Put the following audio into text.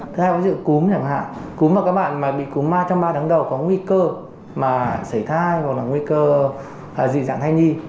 thứ hai có triệu cúm chẳng hạn cúm vào các bạn mà bị cúm ma trong ba tháng đầu có nguy cơ mà xảy thai hoặc là nguy cơ dị dạng thai nhi